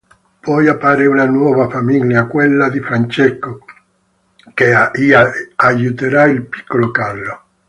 Poi appare una nuova famiglia, quella di Francesco, che aiuterà il piccolo Carlo.